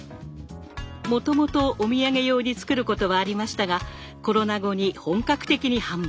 もともとお土産用に作ることはありましたがコロナ後に本格的に販売。